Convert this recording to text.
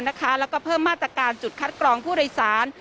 แล้วก็เพิ่มมาตรการจุดคัดกรองผู้โดยสาร